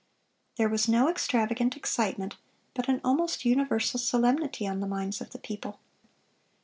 There was no extravagant excitement, but an almost universal solemnity on the minds of the people.